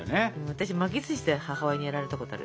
私巻きずしで母親にやられたことあるけどね。